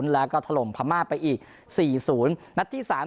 แล้วก็ถล่มพระมาห์ไปอีก๔๐สูงนัตห์ที่๓เจอ